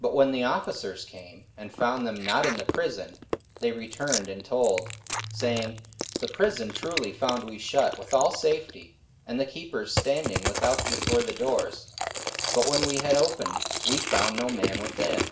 44:005:022 But when the officers came, and found them not in the prison, they returned and told, 44:005:023 Saying, The prison truly found we shut with all safety, and the keepers standing without before the doors: but when we had opened, we found no man within.